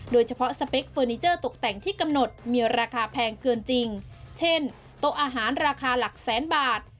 สเปคเฟอร์นิเจอร์ตกแต่งที่กำหนดมีราคาแพงเกินจริงเช่นโต๊ะอาหารราคาหลักแสนบาท